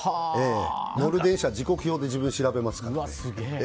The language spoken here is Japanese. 乗る電車、時刻表で自分で調べますからね。